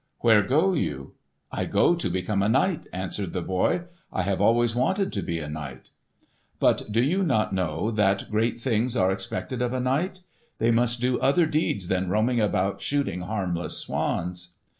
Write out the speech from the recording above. "Where go you?" "I go to become a knight," answered the boy. "I have always wanted to be a knight." "But do you not know that great things are expected of a knight? They must do other deeds than roaming about shooting harmless swans."